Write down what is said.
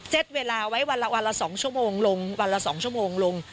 เซ็ตเวลาไว้วันละ๒ชั่วโมงลงวันละ๒ชั่วโมงลง